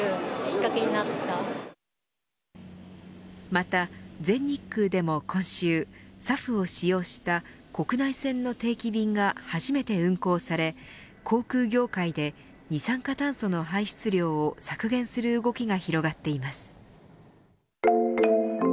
また全日空でも、今週ＳＡＦを使用した国内線の定期便が初めて運航され航空業界で二酸化炭素の排出量を削減する動きが広がっています。